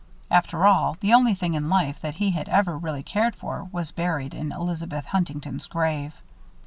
After all, the only thing in life that he had ever really cared for was buried in Elizabeth Huntington's grave.